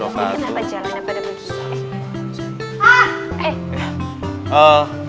maaf pada menteri